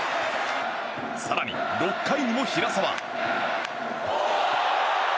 更に６回にも平沢。